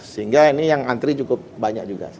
sehingga ini yang antri cukup banyak juga